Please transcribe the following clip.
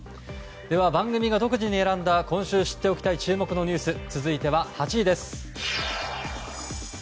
番組が独自に選んだ今週知っていきたい注目ニュース続いては８位です。